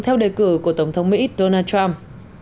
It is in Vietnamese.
theo đề cử của tổng thống mỹ donald trump